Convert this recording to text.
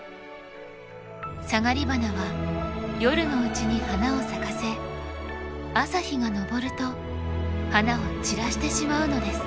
サガリバナは夜のうちに花を咲かせ朝日が昇ると花を散らしてしまうのです。